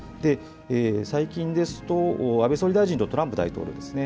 最近ですと安倍総理大臣とトランプ大統領ですね。